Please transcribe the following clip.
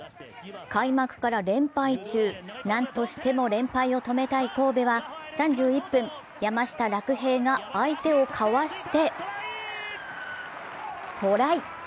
開幕から連敗中、何としても連敗を止めたい神戸は３１分、山下楽平が相手をかわしてトライ。